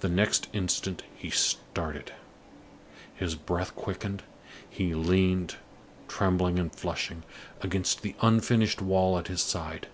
The next instant he started; his breath quickened; he leaned, trembling and flushing, against the unfinished wall at his side.